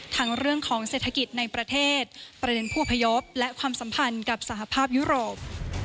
เรื่องของเศรษฐกิจในประเทศประเด็นผู้อพยพและความสัมพันธ์กับสหภาพยุโรป